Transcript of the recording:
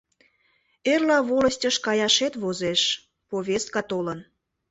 — Эрла волостьыш каяшет возеш, повестка толын.